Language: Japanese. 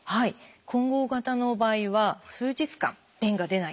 混合型の場合は数日間便が出ない。